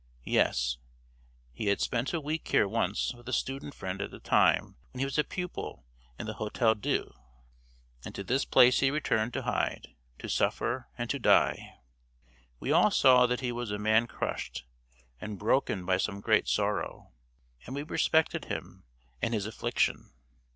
"Yes. He had spent a week here once with a student friend at the time when he was a pupil in the Hotel Dieu, and to this place he returned to hide, to suffer, and to die. We all saw that he was a man crushed and broken by some great sorrow, and we respected him and his affliction.